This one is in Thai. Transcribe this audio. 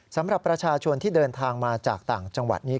สำหรับประชาชนที่เดินทางมาจากต่างจังหวัดนี้